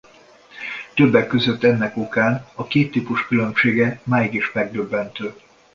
Többek között ennek okán a két típus különbsége máig is megdöbbentő.